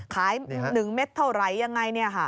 ขาย๑เม็ดเท่าไรยังไง